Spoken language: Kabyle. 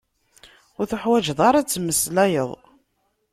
Ur teḥwaǧeḍ ara ad tmeslayeḍ.